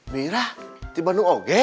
bira di bandung ada